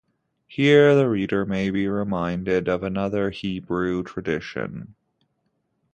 Here the reader may be reminded of another Hebrew tradition.